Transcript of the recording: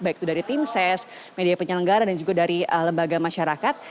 baik itu dari tim ses media penyelenggara dan juga dari lembaga masyarakat